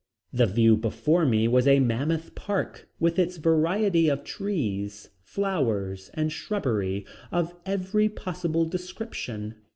The view before me was a mammoth park with its variety of trees, flowers and shrubbery of every possible description.